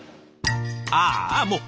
ああもう。